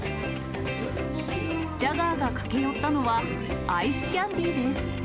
ジャガーが駆け寄ったのは、アイスキャンディーです。